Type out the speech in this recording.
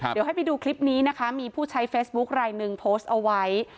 เดี๋ยวให้ไปดูคลิปนี้นะคะมีผู้ใช้เฟซบุ๊คลายหนึ่งโพสต์เอาไว้